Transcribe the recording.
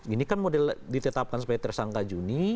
ini kan model ditetapkan sebagai tersangka juni